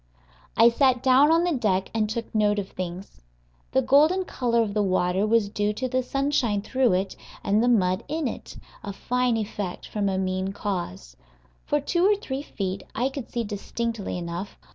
I sat down on the deck and took note of things. The golden color of the water was due to the sunshine through it and the mud in it a fine effect from a mean cause. For two or three feet I could see distinctly enough.